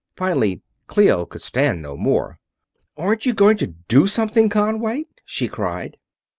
Finally Clio could stand no more. "Aren't you going to do something, Conway?" she cried.